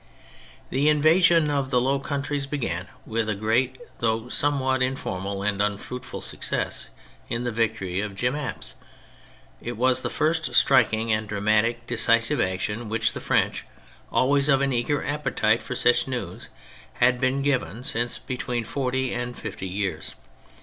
The invasion of the Low Countries began with a great, though somewhat informal and unfruitful success, in the victory of Jemappes. It was the first striking and dramatic deci sive action which the French, always of an eager appetite for such news, had been given since between forty and fifty years.